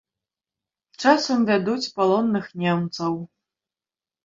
Часам вядуць палонных немцаў.